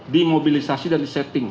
dimobilisasi dan disetting